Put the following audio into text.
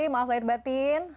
maaf lahir batin